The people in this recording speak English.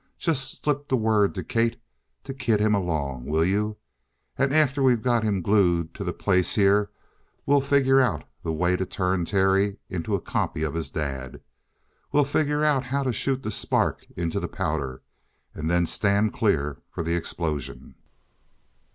Just slip the word to Kate to kid him along. Will you? And after we got him glued to the place here, we'll figure out the way to turn Terry into a copy of his dad. We'll figure out how to shoot the spark into the powder, and then stand clear for the explosion."